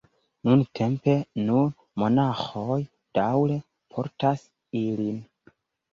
Nuntempe nur monaĥoj daŭre portas ilin.